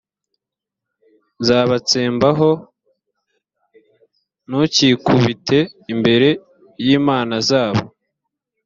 nzabatsembaho ntukikubite imbere y imana zabo